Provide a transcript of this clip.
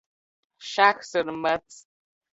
Šahs un mats